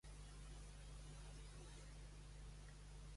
Riel va ser declarat culpable i sentenciada a mort.